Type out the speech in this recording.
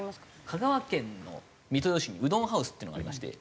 香川県の三豊市にＵＤＯＮＨＯＵＳＥっていうのがありまして。